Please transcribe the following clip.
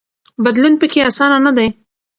بدلون پکې اسانه نه دی.